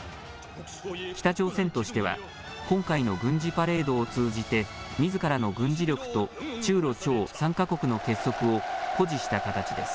北朝鮮としては、今回の軍事パレードを通じて、みずからの軍事力と中ロ朝３か国の結束を誇示した形です。